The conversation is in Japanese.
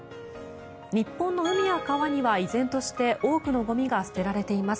日本の海や川には、依然として多くのゴミが捨てられています。